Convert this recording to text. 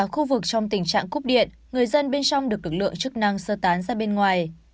khu vực trong tình trạng cúp điện người dân bên trong được lực lượng chức năng sơ tán ra bên ngoài